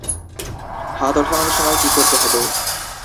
হাত ওঠানোর সময় কি করতে হবে?